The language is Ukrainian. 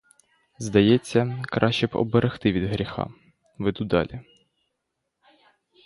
Здається, краще б оберегти від гріха, — веду далі.